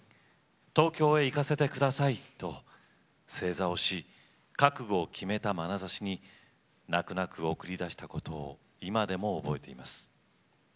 東京へ行かせてください！」と正座をし覚悟を決めたまなざしに泣く泣く、送り出したことを今でも覚えています。